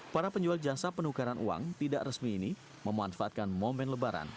para penjual jasa penukaran uang tidak resmi ini memanfaatkan momen lebaran